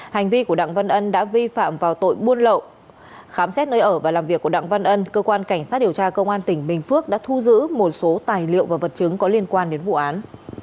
hành vi của đặng văn ân đã vi phạm vào tội buôn lậu khám xét nơi ở và làm việc của đặng văn ân cơ quan cảnh sát điều tra công an tỉnh bình phước đã thu giữ một số tài liệu và vật chứng có liên quan đến vụ án